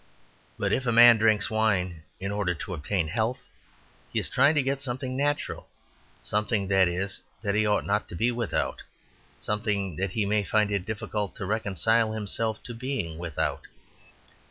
But if a man drinks wine in order to obtain health, he is trying to get something natural; something, that is, that he ought not to be without; something that he may find it difficult to reconcile himself to being without.